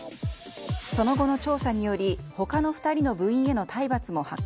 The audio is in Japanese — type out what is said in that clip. その後の調査により、他の２人の部員への体罰も発覚。